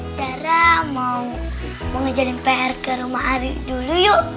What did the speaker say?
sarah mau ngejarin pr ke rumah ari dulu yuk